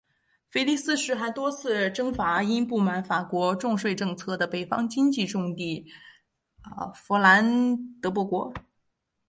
腓力四世还多次征伐因不满法国重税政策的北方经济重地佛兰德伯国。